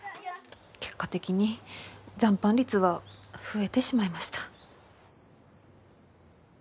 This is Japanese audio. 結果的に残飯率は増えてしまいました。